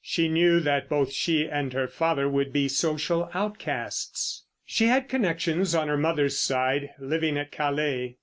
She knew that both she and her father would be social outcasts. She had connections on her mother's side living at Calais.